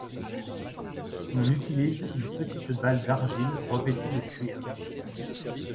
On utilise une petite balle d'argile revêtue de cuir.